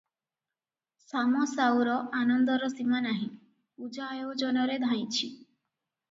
ଶାମ ସାଉର ଆନନ୍ଦର ସୀମା ନାହିଁ, ପୂଜା ଆୟୋଜନରେ ଧାଇଁଛି ।